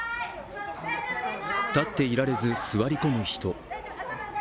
立っていられず、座り込む人。